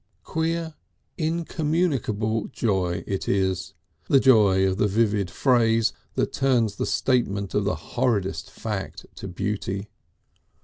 Queer incommunicable joy it is, the joy of the vivid phrase that turns the statement of the horridest fact to beauty!